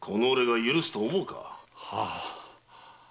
はあ。